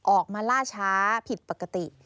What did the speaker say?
ออกมาล่าช้าผิดปกติ